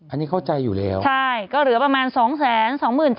อันนี้เข้าใจอยู่แล้วใช่ก็เหลือประมาณ๒๒๗๐๐